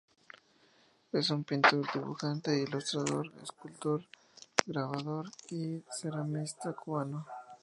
Es un pintor, dibujante, ilustrador, escultor, grabador y ceramista cubano.